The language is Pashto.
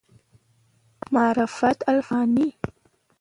معرفت الافغاني